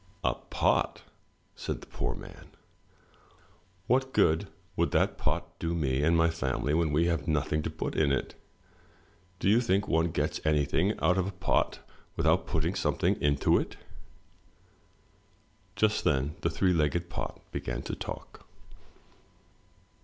"A pot!" said the poor man. What good would that pot do me and my family when we have nothing to put into it? Do you think one gets anything out of a pot with out putting something into it?" Just then the three legged pot began to talk.